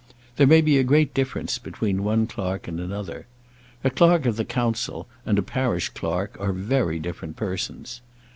There may be a great difference between one clerk and another! A Clerk of the Council and a parish clerk are very different persons.